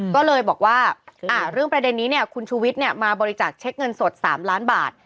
ก็เลยบอกว่าเรื่องประเด็นนี้เนี่ยคุณชูวิทย์มาบริจาคเช็คเงินสด๓ล้านบาท